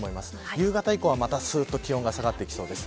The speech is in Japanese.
夕方以降はまた気温が下がってきそうです。